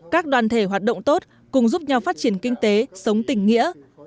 các đoàn thể hoạt động tốt cùng giúp nhau phát triển kinh tế sống tình nghĩa